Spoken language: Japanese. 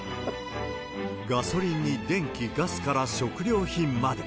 ガソリンに電気、ガスから食料品まで。